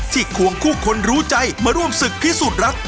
ควงคู่คนรู้ใจมาร่วมศึกพิสูจน์รัก